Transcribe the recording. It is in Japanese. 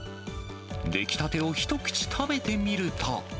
出来たてを一口食べてみると。